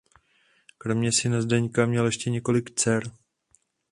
Kromě syna Zdeňka měl ještě několik dcer.